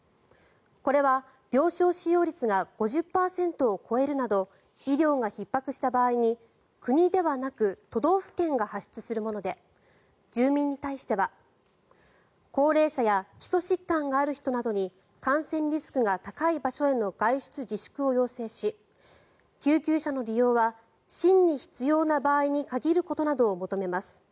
これは病床使用率が５０％を超えるなど医療がひっ迫した場合に国ではなく都道府県が発出するもので住民に対しては高齢者や基礎疾患がある人などに感染リスクが高い場所への外出自粛を要請し救急車の利用は真に必要な場合に限ることなどを求めます。